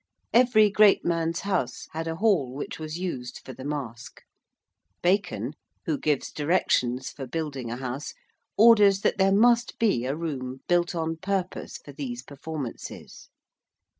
Every great man's house had a hall which was used for the Masque. Bacon, who gives directions for building a house, orders that there must be a room built on purpose for these performances.